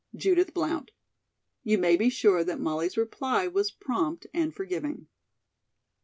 "JUDITH BLOUNT." You may be sure that Molly's reply was prompt and forgiving.